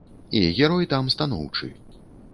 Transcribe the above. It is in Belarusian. І герой там станоўчы.